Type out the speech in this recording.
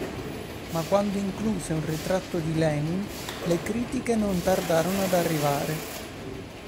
Ma quando incluse un ritratto di Lenin, le critiche non tardarono ad arrivare.